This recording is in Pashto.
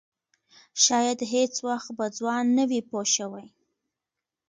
شاید هېڅ وخت به ځوان نه وي پوه شوې!.